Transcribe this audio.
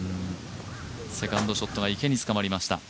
セカンドショットが池に捕まりました。